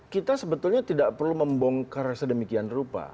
kita sebetulnya tidak perlu membongkar sedemikian rupa